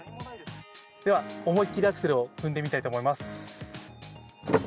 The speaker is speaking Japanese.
では、思いっ切りアクセルを踏んでみたいと思います。